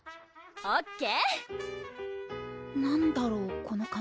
ＯＫ！